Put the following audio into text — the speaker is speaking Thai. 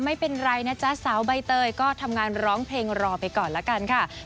ไม่เป็นไรนะจ๊ะสาวใบเตยก็ทำงานร้องเพลงรอไปก่อนละกันค่ะ